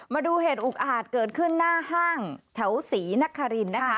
มาดูเหตุอุกอาจเกิดขึ้นหน้าห้างแถวศรีนครินนะคะ